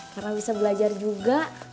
karena bisa belajar juga